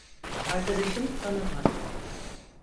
Arkadaşım bana baktı: